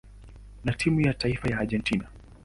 na timu ya taifa ya Argentina.